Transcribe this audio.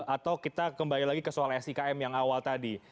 atau kita kembali lagi ke soal sikm yang awal tadi